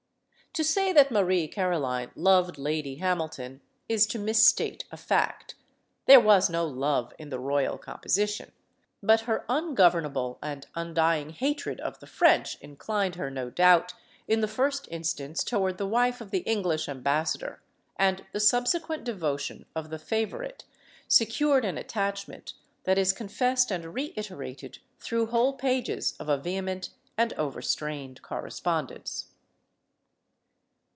To say that Marie Caroline loved Lady Hamilton is to misstate a fact; there was no love in 262 STORIES OF THE SUPER WOMEN the royal composition; but her ungovernable and undying hatred of the French inclined her, no doubt, in the first in stance toward the wife of the English ambassador, and the sub sequent devotion of the favorite secured an attachment that is confessed and reiterated through whole pages of a vehement and overstrained correspondence.